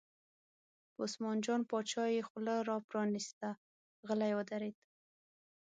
په عثمان جان باچا یې خوله را پرانسته، غلی ودرېد.